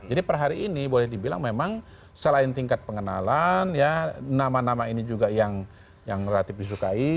jadi per hari ini boleh dibilang memang selain tingkat pengenalan ya nama nama ini juga yang relatif disukai